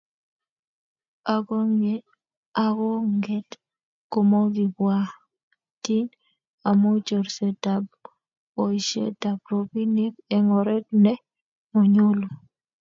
Akonget komokibwotyin amu chorset ak boisetab robinik eng oret ne monyolu